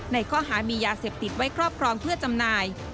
ในข้อหามียาเสพติดไว้ครอบครองเพื่อจำหน่าย